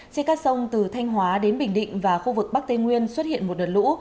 trên các sông từ thanh hóa đến bình định và khu vực bắc tây nguyên xuất hiện một đợt lũ